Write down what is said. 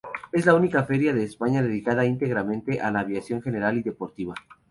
Es la única feria de España dedicada íntegramente a la aviación general y deportiva.